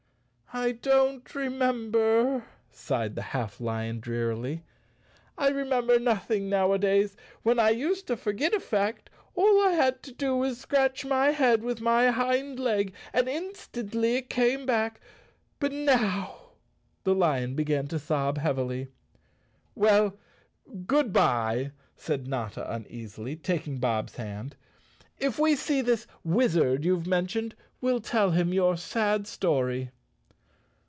"I don't remember," sighed the half lion drearily. "I remember nothing nowadays. ^When I used to for¬ get a fact all I had to do was to scratch my head with my hind leg and instantly it came back, but now—." The lion began to sob heavily. "Well, good bye!" said Notta uneasily, taking Bob's hand. "If we see this wizard you've mentioned we'll tell him your sad story."